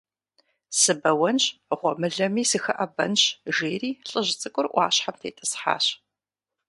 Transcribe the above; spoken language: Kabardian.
Сыбэуэнщ, гъуэмылэми сыхэӀэбэнщ, - жери лӀыжь цӀыкӀур Ӏуащхьэм тетӀысхьащ.